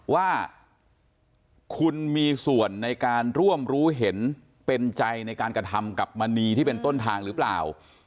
ว่าคุณมีส่วนในการร่วมรู้เห็นเป็นใจในการกระทำกับมณีที่เป็นต้นทางหรือเปล่า